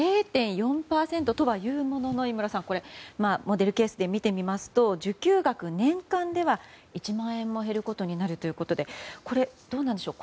０．４％とはいうものの飯村さんモデルケースで見てみますと受給額、年間では１万円も減ることになるということでこれ、どうなんでしょう。